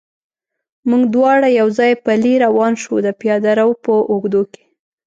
موږ دواړه یو ځای پلی روان شو، د پیاده رو په اوږدو کې.